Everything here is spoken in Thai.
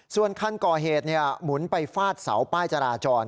ส่วนคันก่อเหตุหมุนไปฟาดเสาป้ายจราจร